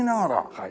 はい。